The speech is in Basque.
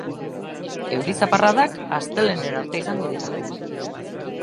Euri-zaparradak astelehenera arte izango dira.